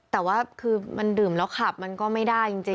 สนุกดื่มแล้วคับก็ไม่ได้จริง